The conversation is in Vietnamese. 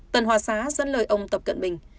tần hòa xá dẫn lời ông tập cận bình